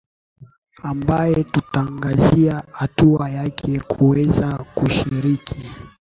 ambaye tutangazia hatua yake kuweza kushiriki